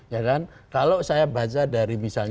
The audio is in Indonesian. ya kan kalau saya baca dari misalnya